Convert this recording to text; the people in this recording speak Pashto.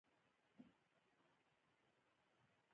وسله د زور واک نښه ګڼل کېږي